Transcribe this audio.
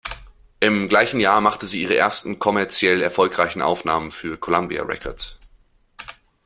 Im gleichen Jahr machte sie ihre ersten kommerziell erfolgreichen Aufnahmen für Columbia Records.